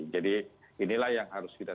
jadi inilah yang harus kita